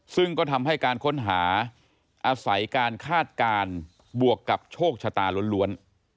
ซึ่งก็ทำให้การค้นหาอาศัยการคาดการณ์บวกกับโชคชะตาล้วน